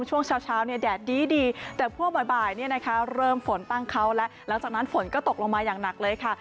ช่วงเช้าแดดดีแต่พวกบ่ายเริ่มฝนตั้งเขาแล้วแล้วจากนั้นฝนก็ตกลงมาอย่างหนักเลยค่ะ